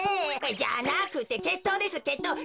じゃなくてけっとうですけっとう。